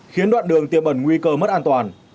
khiến đoạn đường tiêm ẩn nguy cơ mất an toàn